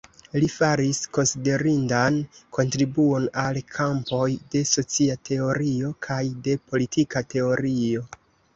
Li faris konsiderindan kontribuon al kampoj de socia teorio kaj de politika teorio.